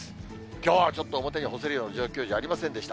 きょうはちょっと表に干せるような状況じゃありませんでした。